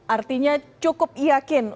artinya cukup yakin